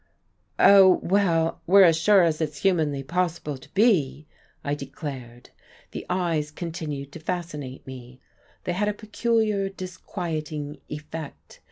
"Oh, well, we're as sure as it's humanly possible to be," I declared. The eyes continued to fascinate me, they had a peculiar, disquieting effect.